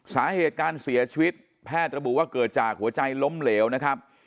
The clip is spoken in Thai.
สาเหตุการเสียชีวิตแพทย์ระบุว่าเกิดจากหัวใจล้มเหลวนะครับ